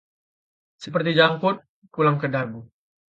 Seperti janggut pulang ke dagu